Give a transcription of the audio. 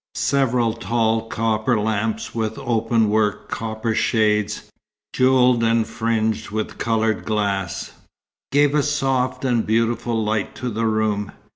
Several tall copper lamps with open work copper shades, jewelled and fringed with coloured glass, gave a soft and beautiful light to the room.